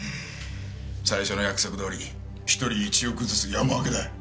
最初の約束どおり１人１億ずつ山分けだ。